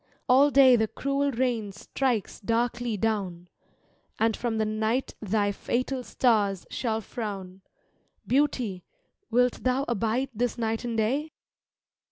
All day the cruel rain strikes darkly down; And from the night thy &tal stars shall frown Beauty, wilt thou abide this night and day?